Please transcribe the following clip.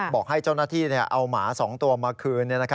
บอกให้เจ้าหน้าที่เอาหมา๒ตัวมาคืน